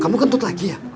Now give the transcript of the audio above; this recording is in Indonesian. kamu kentut lagi ya